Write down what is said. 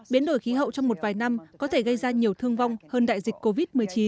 biến đổi khí hậu trong một vài năm có thể gây ra nhiều thương vong hơn đại dịch covid một mươi chín